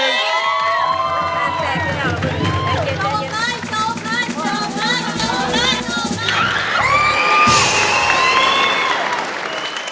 คุณสนพงศ์